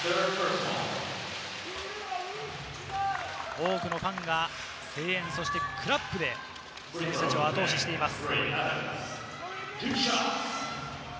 多くのファンが声援、そしてクラップで選手たちを後押ししています。